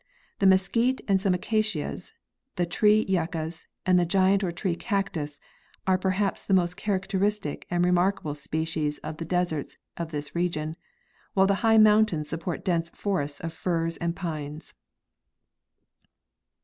The mesquite and some acacias, the tree yuccas and the giant or tree cactus are perhaps the most characteristic and remark *able species of the deserts of this region, while the high moun tains support dense forests of firs and pines.